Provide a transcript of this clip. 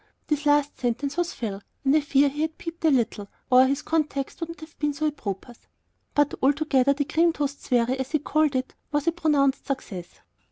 This last sentence was Phil's, and I fear he had peeped a little, or his context would not have been so apropos; but altogether the "cream toast swarry," as he called it, was a pronounced success.